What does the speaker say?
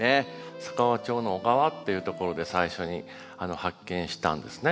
佐川町の尾川っていう所で最初に発見したんですね。